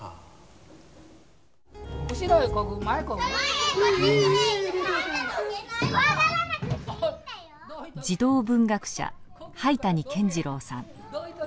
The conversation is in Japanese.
児童文学者灰谷健次郎さん。